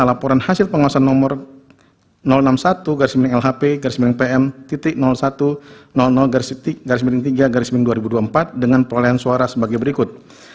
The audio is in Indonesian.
laporan hasil pengawasan nomor enam puluh satu lhp pm satu tiga dua ribu dua puluh empat dengan perolahan suara sebagai berikut